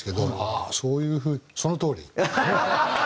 ああそういう風そのとおり！